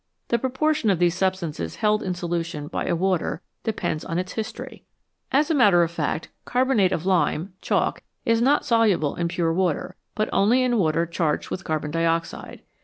The proportion of these substances held in solution by a water depends on its history. As a matter of fact, carbonate of lime (chalk) is not soluble in pure water, but only in water charged with carbon dioxide.